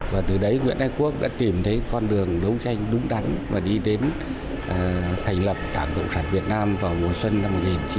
và từ đấy nguyễn ái quốc đã tìm thấy con đường đấu tranh đúng đắn và đi đến thành lập đảng cộng sản việt nam vào mùa xuân năm một nghìn chín trăm bảy mươi